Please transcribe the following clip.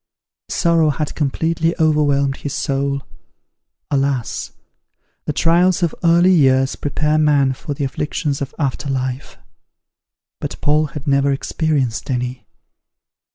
Sorrow had completely overwhelmed his soul. Alas! the trials of early years prepare man for the afflictions of after life; but Paul had never experienced any.